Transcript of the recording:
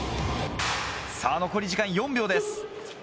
さぁ残り時間４秒です。